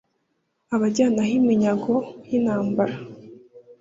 abajyana ho iminyago y’intambara